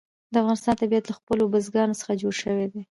د افغانستان طبیعت له خپلو بزګانو څخه جوړ شوی دی.